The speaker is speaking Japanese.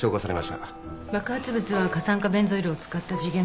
爆発物は過酸化ベンゾイルを使った時限爆弾。